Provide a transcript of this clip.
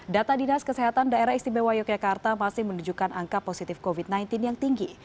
data dinas kesehatan daerah istimewa yogyakarta masih menunjukkan angka positif covid sembilan belas yang tinggi